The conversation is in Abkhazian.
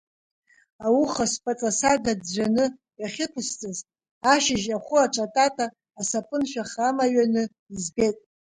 Ауха сԥаҵасага ӡәӡәаны иахьықәысҵаз, ашьыжь ахәы аҿатата, асапын шәах амаҩаны избеит.